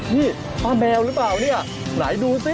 นี่ป้าแมวหรือเปล่าเนี่ยไหนดูสิ